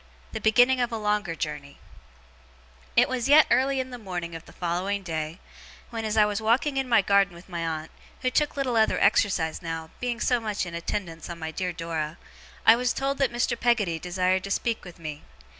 THE BEGINNING OF A LONGER JOURNEY It was yet early in the morning of the following day, when, as I was walking in my garden with my aunt (who took little other exercise now, being so much in attendance on my dear Dora), I was told that Mr. Peggotty desired to speak with me.